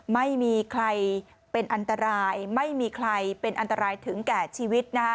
ไม่มีใครเป็นอันตรายไม่มีใครเป็นอันตรายถึงแก่ชีวิตนะคะ